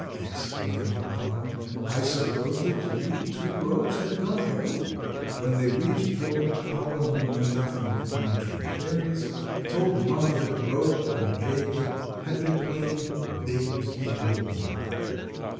exclaimed papa; "I supposed that you two rogues had gone home." When they reached home papa, who knew nothing of pine tree fairies, told mamma that Rover and Jacob had been playing "babes in the wood."